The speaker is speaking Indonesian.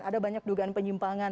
ada banyak dugaan penyimpangan